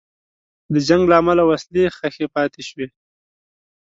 د جنګ له امله وسلې ښخي پاتې شوې.